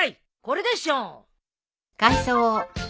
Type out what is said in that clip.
これでしょう。